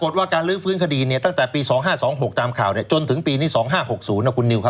ตั้งแต่ปี๒๐๒๕๒๖ตามข่าวเนี่ยจนถึง๒๐๑๕๐๖สูญ